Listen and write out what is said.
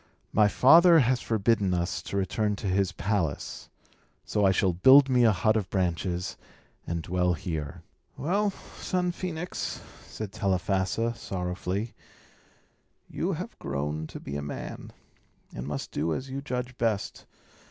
My father has forbidden us to return to his palace; so I shall build me a hut of branches, and dwell here." "Well, son Phœnix," said Telephassa, sorrowfully, "you have grown to be a man, and must do as you judge best.